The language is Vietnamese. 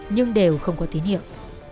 nhưng đều không có tín hiệu